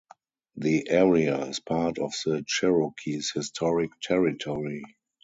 The area is part of the Cherokees' historic territory.